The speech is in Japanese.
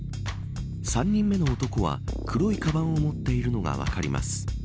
３人目の男は黒いかばんを持っているのが分かります。